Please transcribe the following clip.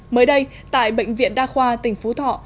mới đây tại bệnh viện đa khoa tỉnh phú thọ